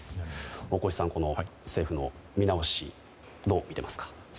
大越さん、この政府の見直しどう見ていますか？